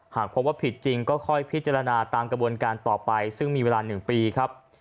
หากพบว่าผิดจริงก็ค่อยพิจารณาตามกระบวนการต่อไปซึ่งมีเวลา๑ปีครับ